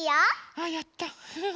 あやった。